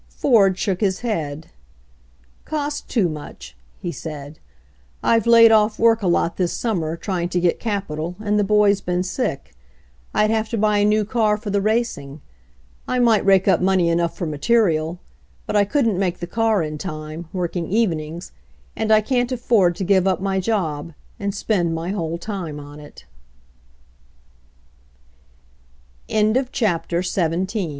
Ford shook his head. "Cost too much," he said. "I've laid off work a lot this summer, trying to get capital, and the boy's been sick. Fd have to buy a new car for the racing. I might rake up money enough for material, but I couldn't make the car in time, working evenings, and I can't afford to give up my job and spe